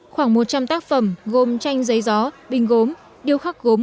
khoảng một trăm linh tác phẩm gồm tranh giấy gió binh gốm